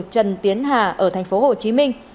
trần tiến hà ở thành phố hồ chí minh